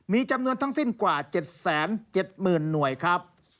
มีจำนวนทั้งสิ้นกว่า๗๗๐๐หน่วยครับ